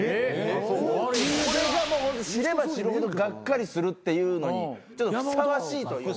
これがもう知れば知るほどがっかりするっていうのにふさわしいというか。